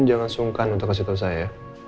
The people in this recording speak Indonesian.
jangan sungkan untuk kasih tau saya